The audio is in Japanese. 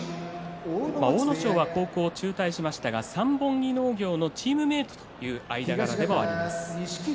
阿武咲は高校を中退しましたが三本木農業のチームメートという間柄でもあります。